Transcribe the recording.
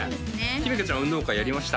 姫華ちゃんは運動会やりました？